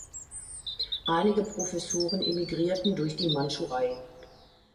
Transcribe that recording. Einige Professoren emigrierten durch die Mandschurei.